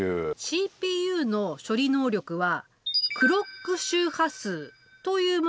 ＣＰＵの処理能力はクロック周波数というもので表される。